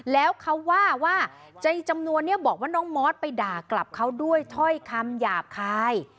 แล้วเขาว่าว่าในจำนวนนี้บอกว่าน้องมอสไปด่ากลับเขาด้วยถ้อยคำหยาบคาย